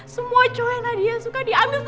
semua cowoknya nadia suka diambil semua sama dia